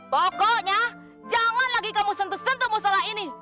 pokoknya jangan lagi kamu sentuh sentuh mu sholat ini